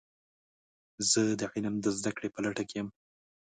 زه د علم د زده کړې په لټه کې یم.